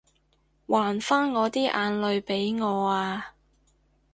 還返我啲眼淚畀我啊